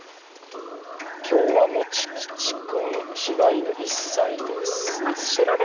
今日はもち吉君、しば犬１歳です。